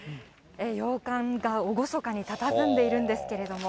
洋館が厳かにたたずんでいるんですけれども。